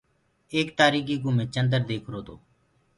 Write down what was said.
ايڪ تآريڪي ڪوُ مي چندر ديکرو تو۔